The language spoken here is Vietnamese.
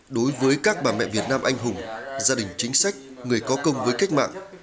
đối với các bà mẹ việt nam anh hùng gia đình chính sách người có công với cách mạng